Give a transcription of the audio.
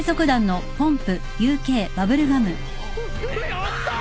やった！